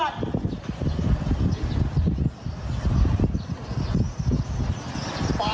พลุะ